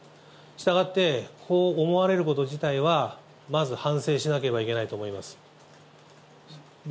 したがって、こう思われること自体は、まず反省しなければいけないと思います。